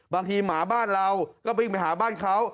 หมาบ้านเราก็วิ่งไปหาบ้านเขา